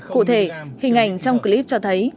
cụ thể hình ảnh trong clip cho thấy